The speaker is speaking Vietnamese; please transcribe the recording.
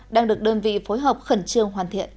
đang được đơn vị phối hợp khẩn trường